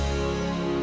tata yang berbintang ya